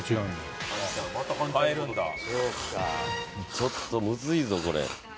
ちょっとむずいぞこれ。